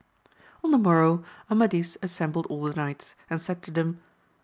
On the morrow Amadis assembled all the knights, and said to them.